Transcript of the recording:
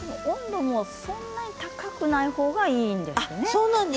温度もそんなに高くないほうがいいんですね。